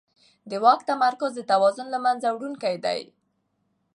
د واک تمرکز د توازن له منځه وړونکی دی